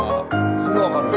すぐ分かる。